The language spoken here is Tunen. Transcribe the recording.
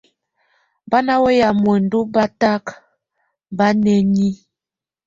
Bá na wéye muendu batak bá nenye.